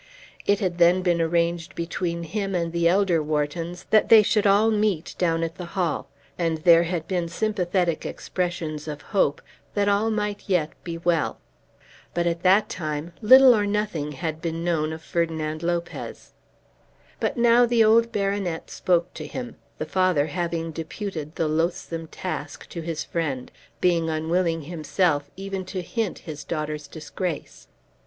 It had then been arranged between him and the elder Whartons that they should all meet down at the Hall, and there had been sympathetic expressions of hope that all might yet be well. But at that time little or nothing had been known of Ferdinand Lopez. But now the old baronet spoke to him, the father having deputed the loathsome task to his friend, being unwilling himself even to hint his daughter's disgrace.